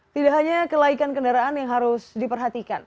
tidak hanya kelaikan kendaraan yang harus diperhatikan